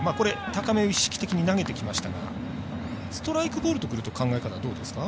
高めを意識的に投げてきましたがストライク、ボールとくると考え方はどうですか。